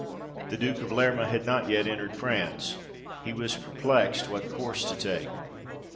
The Duke of Lerma had not yet entered France ; he was perplexed what course to take.